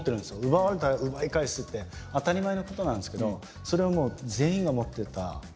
奪われたら奪い返すって当たり前のことなんですけどそれをもう全員が持ってたような感じがして。